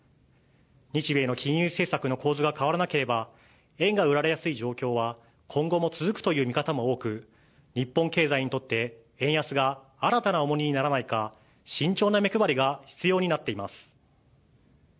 日米の金融政策の構図が変わらなければ、円が売られやすい状況は今後も続くという見方も多く、日本経済にとって、円安が新たな重荷にならないか、慎重な目配りが必要になっています。